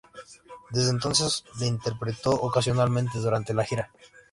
Desde entonces, la interpretó ocasionalmente durante la gira.